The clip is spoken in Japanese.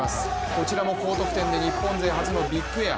こちらも高得点で日本勢初のビッグエア。